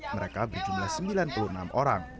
mereka berjumlah sembilan puluh enam orang